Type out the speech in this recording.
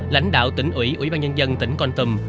lãnh đạo tỉnh ủy ủy ban nhân dân tỉnh con tầm